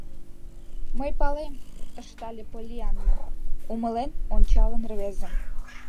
— Мый палем, — ыштале Поллианна, умылен ончалын рвезым.